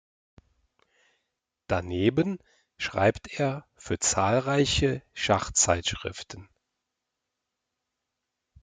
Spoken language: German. Daneben schreibt er für zahlreiche Schachzeitschriften.